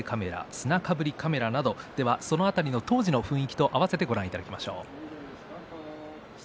砂かぶりカメラなど当時の雰囲気と合わせてご覧いただきましょう。